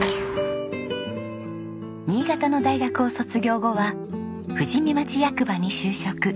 新潟の大学を卒業後は富士見町役場に就職。